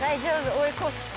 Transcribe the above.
追い越す。